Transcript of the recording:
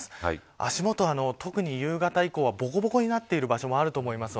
足元は特に夕方以降はぼこぼこになっている場所もあると思います。